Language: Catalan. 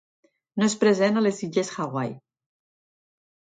No és present a les Illes Hawaii.